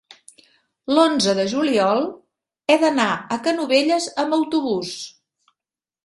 l'onze de juliol he d'anar a Canovelles amb autobús.